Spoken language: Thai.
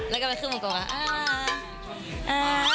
แล้วก็ไปขึ้นอีกครั้งค่ะ